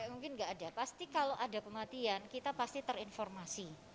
mungkin nggak ada pasti kalau ada kematian kita pasti terinformasi